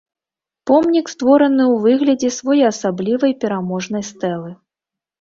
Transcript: Помнік створаны ў выглядзе своеасаблівай пераможнай стэлы.